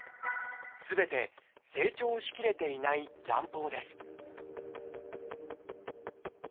すべて成長しきれていない卵胞です